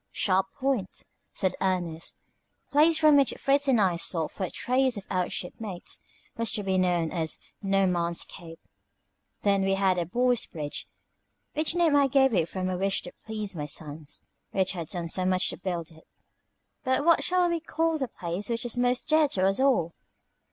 "Sharp Point," said Ernest. The place from which Fritz and I sought for a trace of out ship mates was to be known as No Man's Cape. Then we had the Boys' Bridge, which name I gave it from a wish to please my sons, who had done so much to build it. "But what shall we call the place which is most dear to us all?"